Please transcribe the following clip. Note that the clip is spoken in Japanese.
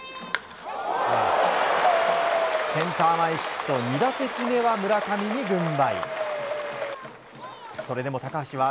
センター前ヒット２打席目は村上に軍配。